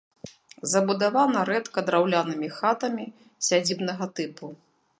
Забудавана рэдка драўлянымі хатамі сядзібнага тыпу.